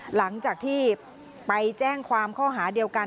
หลังจากที่ไปแจ้งความข้อหาเดียวกัน